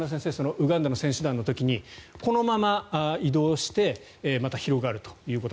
ウガンダの選手団の時にこのまま移動してまた広がるということ。